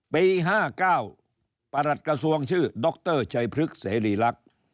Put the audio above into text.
ปี๕๙ประหลัดกระทรวงชื่อดรชัยพฤกษรีลักษณ์